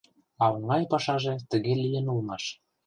А оҥай пашаже тыге лийын улмаш.